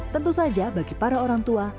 tentu saja bagi para orang tua